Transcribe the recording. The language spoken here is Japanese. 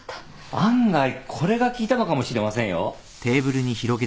案外これが効いたのかもしれませんよ。